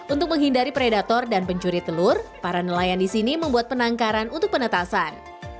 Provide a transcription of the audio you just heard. untuk menghindari predator dan pencuri telur para nelayan di sini membuat penangkaran untuk penetasan